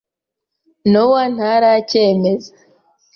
Nowa ntaracyemeza.